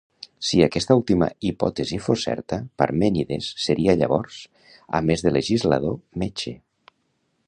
Si aquesta última hipòtesi fos certa, Parmènides seria llavors, a més de legislador, metge.